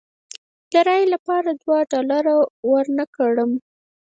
د رایې لپاره دوه ډالره ورنه کړم.